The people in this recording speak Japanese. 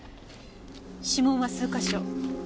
指紋は数か所。